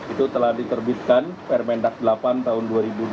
itu telah diterbitkan permendak delapan tahun dua ribu dua puluh